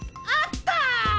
あった！